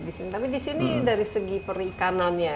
tapi disini dari segi perikanannya